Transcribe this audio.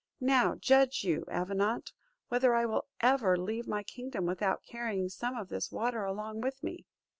Now judge you, Avenant, whether I will ever leave my kingdom without carrying some of this water along with me."